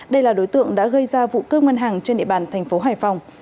đây là đối tượng đã gây ra vụ cướp ngân hàng trên địa bàn thành phố hải phòng